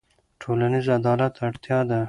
ټولنیز عدالت اړتیا ده.